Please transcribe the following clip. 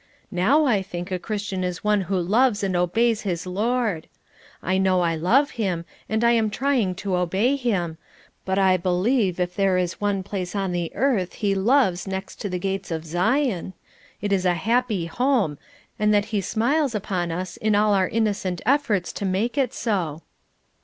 Now I think a Christian is one who loves and obeys his Lord. I know I love Him and I am trying to obey Him, but I believe if there is one place on the earth He loves next to the gates of Zion, it is a happy home, and that He smiles upon us in all our innocent efforts to make it so.